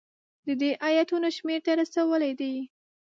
د دې ایتونو شمېر ته رسولی دی.